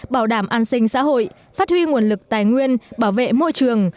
bảo đảm an sinh xã hội phát huy nguồn lực tài nguyên bảo vệ môi trường